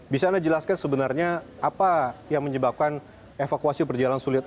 bisa anda jelaskan sebenarnya apa yang menyebabkan evakuasi berjalan sulit